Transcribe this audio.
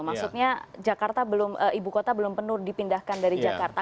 maksudnya ibu kota belum penuh dipindahkan dari jakarta